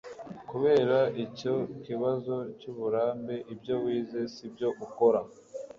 Kubera icyo kibazo cy'uburambe, ibyo wize sibyo ukora